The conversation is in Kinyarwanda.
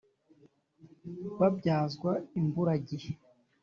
Babyazwa imburagihe